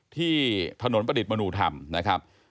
ที่ถนนประดิษฐ์มนุธรรมนะครับ